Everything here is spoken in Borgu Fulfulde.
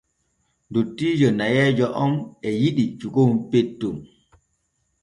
Dottiijo nayeeje on e yiɗi cukon petton.